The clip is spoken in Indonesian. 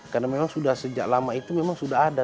karena memang sudah sejak lama itu memang sudah ada